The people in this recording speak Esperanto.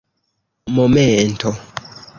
momento